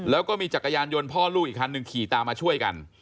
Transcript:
แล้วก็มีจักรยานยนต์พ่อลูกอีกคันหนึ่งขี่ตามมาช่วยกัน